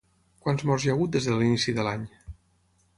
Quants morts hi ha hagut des de l'inici de l'any?